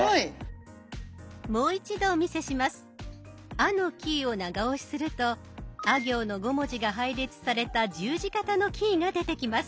「あ」のキーを長押しするとあ行の５文字が配列された十字形のキーが出てきます。